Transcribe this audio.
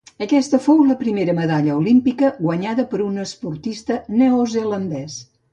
Aquesta fou la primera medalla olímpica guanyada per un esportista neozelandès.